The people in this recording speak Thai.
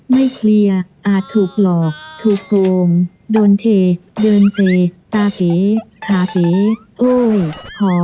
ไม่เคลียร์อาจถูกหลอกถูกโกงโดนเทเดินเซตาตีทาตีโอ้ยหอ